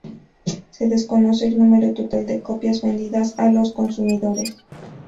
Se desconoce el número total de copias vendidas a los consumidores.